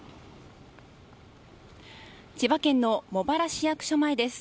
千葉県の茂原市役所前です。